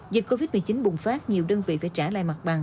dịch covid một mươi chín bùng phát nhiều đơn vị phải trả lại mặt bằng